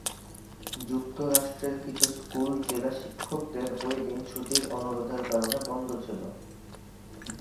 যুক্তরাষ্ট্রের কিছু স্কুল জেলা শিক্ষকদের ওই দিন ছুটির অনুরোধের কারণে বন্ধ ছিল।